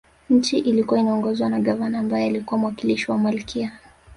Nchi ilikuwa inaongozwa na Gavana ambaye alikuwa mwakilishi wa Malkia